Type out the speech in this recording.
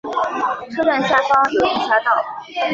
车站下方有地下道。